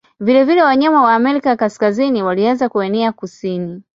Vilevile wanyama wa Amerika Kaskazini walianza kuenea kusini.